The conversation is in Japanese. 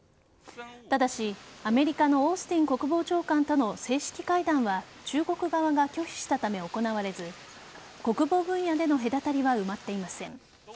ただし、アメリカのオースティン国防長官との正式会談は中国側が拒否したため行われず国防分野での隔たりは埋まっていません。